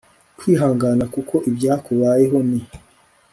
kwihangana kuko ibyakubayeho ni